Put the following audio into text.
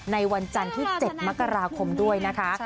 ในวันจันทร์ที่๗มกราคมด้วยนะคะ